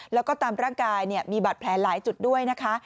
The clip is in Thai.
แล้วก็ตามร่างกายมีบาดแผลหลายจุดด้วยนะคะ